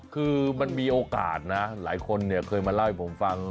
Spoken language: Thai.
คือมันมีโอกาสนะหลายคนเนี่ยเคยมาเล่าให้ผมฟัง